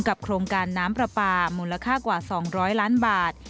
โครงการน้ำปลาปลามูลค่ากว่า๒๐๐ล้านบาท